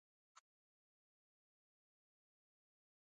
د رقیبو پر وړاندې مشروعیت اساس وګرځي